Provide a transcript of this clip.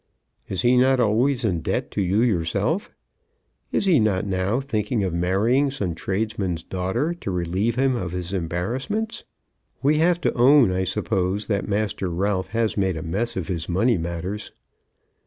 "Is he not always in debt to you yourself? Is he not now thinking of marrying some tradesman's daughter to relieve him of his embarrassments? We have to own, I suppose, that Master Ralph has made a mess of his money matters?"